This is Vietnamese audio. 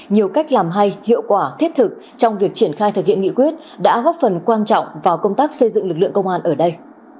nhiều cách làm hay hiệu quả thiết thực trong việc triển khai thực hiện nghị quyết đã góp phần quan trọng vào công tác xây dựng lực lượng công an ở đây